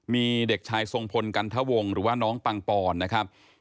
มีเด็กชายทรงพลกันทะวงหรือว่าน้องปังปอนนะครับ